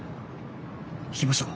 行きましょう。